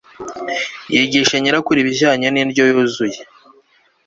yigisha nyirakuru ibijyanye n'indyo yuzuye